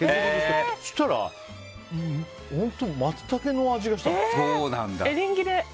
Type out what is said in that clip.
そうしたら本当マツタケの味がしたの。